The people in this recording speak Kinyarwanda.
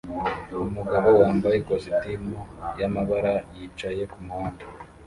Umugabo wambaye ikositimu y'amabara yicaye kumuhanda